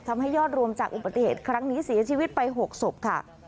ทำให้ยอดรวมจากอุบัติเหตุครั้งนี้เสียชีวิตไป๖ศพค่ะ